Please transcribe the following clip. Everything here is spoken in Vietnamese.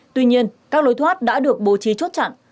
tuy nhiên các lối thoát đã được bố trí chốt chặn